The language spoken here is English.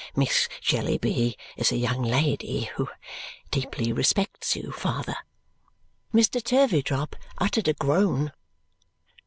Miss Jellyby is a young lady who deeply respects you, father." Mr. Turveydrop uttered a groan.